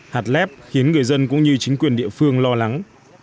hạt lép khiến người dân cũng như chính quyền địa phương lo lắng